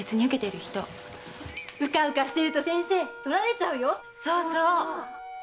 先生うかうかしてると取られちゃうよ！